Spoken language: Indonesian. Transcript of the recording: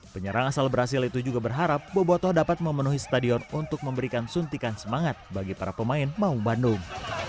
penyerang asal brazil itu juga berharap boboto dapat memenuhi stadion untuk memberikan suntikan semangat bagi para pemain mau bandung